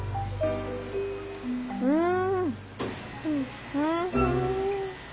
うん！